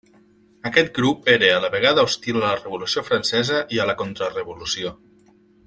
Aquest grup era a la vegada hostil a la Revolució francesa i a la contrarevolució.